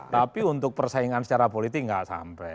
tapi untuk persaingan secara politik nggak sampai